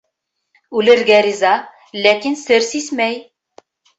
Үлергә риза, ләкин сер сисмәй.